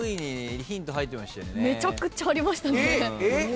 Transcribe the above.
めちゃくちゃありましたね。